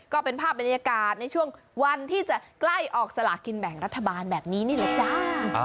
ก็เป็นภาพบรรยากาศในช่วงวันที่จะใกล้ออกสลากินแบ่งรัฐบาลแบบนี้นี่แหละจ้า